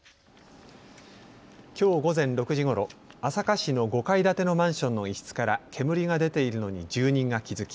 きょう午前６時ごろ朝霞市の５階建てのマンションの一室から煙が出ているのに住人が気付き